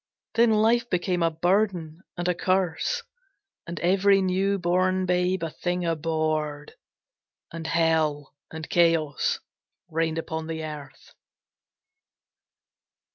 Then life became a burden and a curse, And every new born babe a thing abhorred, And hell and chaos reigned upon the earth.